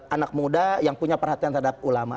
anak muda yang punya perhatian terhadap ulama